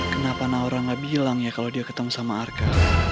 kenapa orang gak bilang ya kalau dia ketemu sama arka